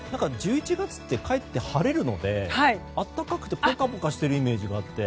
１１月ってかえって晴れるので暖かくてポカポカしているイメージがあって。